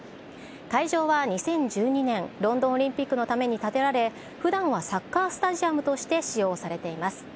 会場は２０１２年、ロンドンオリンピックのために建てられ、ふだんはサッカースタジアムとして使用されています。